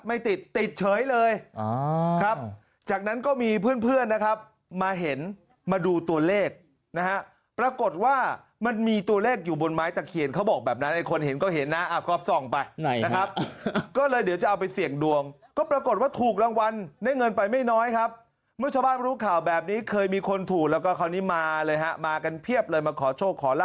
ไม่ติดติดเฉยเลยครับจากนั้นก็มีเพื่อนเพื่อนนะครับมาเห็นมาดูตัวเลขนะฮะปรากฏว่ามันมีตัวเลขอยู่บนไม้ตะเคียนเขาบอกแบบนั้นไอ้คนเห็นก็เห็นนะก็ส่องไปไหนนะครับก็เลยเดี๋ยวจะเอาไปเสี่ยงดวงก็ปรากฏว่าถูกรางวัลได้เงินไปไม่น้อยครับเมื่อชาวบ้านรู้ข่าวแบบนี้เคยมีคนถูกแล้วก็คราวนี้มาเลยฮะมากันเพียบเลยมาขอโชคขอลา